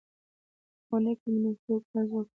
د پخواني کمونیستي حکومت ځواکونو